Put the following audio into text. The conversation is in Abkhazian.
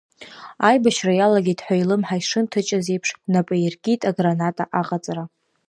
Аибашьра иалагеит ҳәа илымҳа ишынҭаҷаз еиԥш, напы аиркит аграната аҟаҵара.